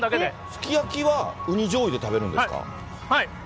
すき焼きはウニじょうゆで食べるんですか？